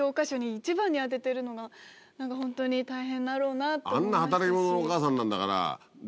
やっぱり。あんな働き者のお母さんなんだから。